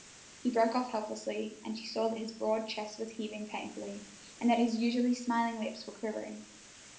He broke off helplessly, and she saw that his broad chest was heaving painfully and that his usually smiling lips were quivering.